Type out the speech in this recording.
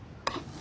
あ！